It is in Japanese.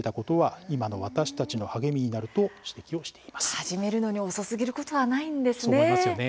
始めるのに遅すぎることはないんですね。